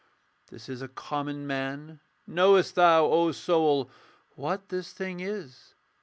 'This is a common man: knowest thou, O soul, What this thing is?